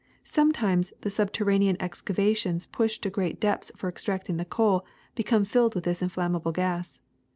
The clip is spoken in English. Some times the subterranean excavations pushed to great depths for extracting the coal become filled with this inflammable gas.